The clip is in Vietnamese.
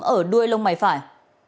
ở đuôi lông mày phải